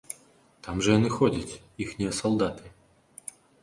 Там жа яны ходзяць, іхнія салдаты.